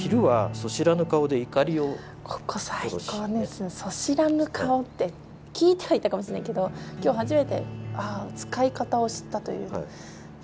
「そしらぬ顔」って聞いてはいたかもしれないけど今日初めて使い方を知ったという。